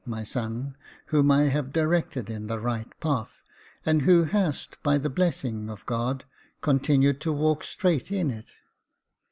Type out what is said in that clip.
328 Jacob Faithful my son, whom I have directed in the right path, and who hast, by the blessing of God, continued to walk straight in it.